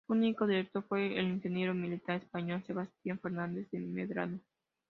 Su único director fue el ingeniero militar español Sebastián Fernández de Medrano.